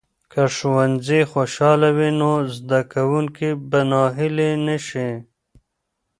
که ښوونځي خوشاله وي، نو زده کوونکي به ناهیلي نه شي.